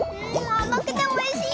あまくておいしい！